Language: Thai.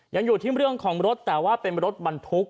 ยังอยู่ที่เรื่องของรถแต่ว่าเป็นรถบรรทุก